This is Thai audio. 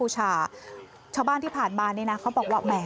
ชาวบ้านที่ผ่านมานี่นะเขาบอกว่าแหม